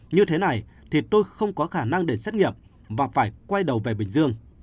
như thế này thì tôi không có khả năng để xét nghiệm và phải quay đầu về bình dương